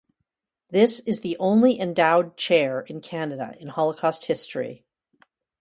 This is the only endowed chair in Canada in Holocaust history.